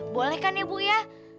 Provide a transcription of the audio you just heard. boleh kan ya bu ya